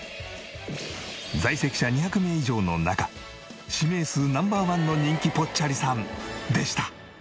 在籍者２００名以上の中指名数Ｎｏ．１の人気ぽっちゃりさんでした。